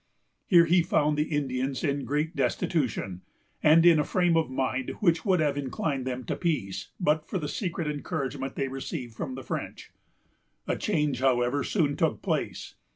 Here he found the Indians in great destitution, and in a frame of mind which would have inclined them to peace but for the secret encouragement they received from the French. A change, however, soon took place.